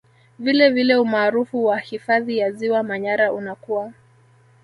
Vilevile umaarufu wa hifadhi ya Ziwa Manyara unakua